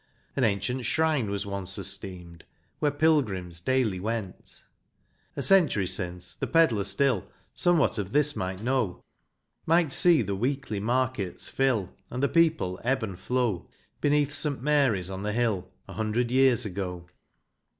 An ancient shrine was once esteemed Where pilgrims daily went. LIVERPOOL. 349 A century since tlie pedlar still Somewhat of this might know, — Might see the weekly markets fill And the people ebb and flow Beneath St. Mary's on the hill A hundred years ago.